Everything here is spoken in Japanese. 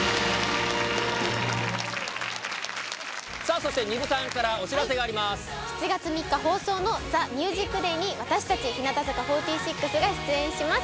そして、７月３日放送のＴＨＥＭＵＳＩＣＤＡＹに、私たち日向坂４６が出演します。